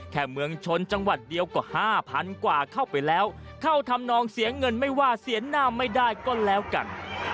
แค่เมืองชนจังหวัดเดียวก็ห้าพันกว่าเข้าไปแล้วเข้าทำนองเสียเงินไม่ว่าเสียหน้าไม่ได้ก็แล้วกัน